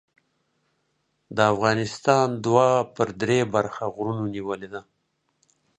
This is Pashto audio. د افغانستان دوه پر درې برخه غرونو نیولې ده.